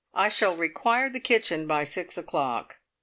I shall require the kitchen by six o'clock."